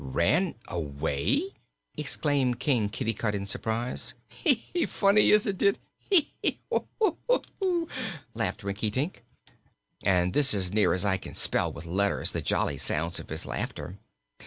"Ran away!" exclaimed King Kitticut in surprise. "Funny, isn't it? Heh, heh, heh woo, hoo!" laughed Rinkitink, and this is as near as I can spell with letters the jolly sounds of his laughter.